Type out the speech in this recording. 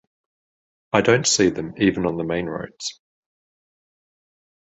I dont see them even on the mainroads.